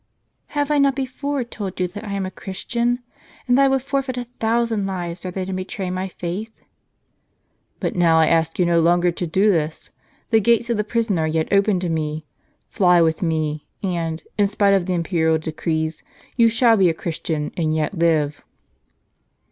" Have I not before told you that I am a Christian ; and that I would forfeit a thousand lives rather than betray my faith?" " But now I ask you no longer to do this. The gates of the prison are yet open to me. Fly with me ; and, in spite of the imperial decrees, you shall be a Christian, and yet live."